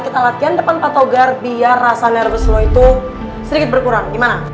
kita latihan depan patogar biar rasa nervous lo itu sedikit berkurang gimana